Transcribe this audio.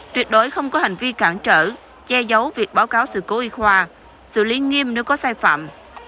tuyệt đối không có hành vi cản trở che giấu việc báo cáo sự cố y khoa xử lý nghiêm nếu có sai phạm